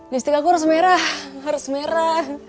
listrik aku harus merah harus merah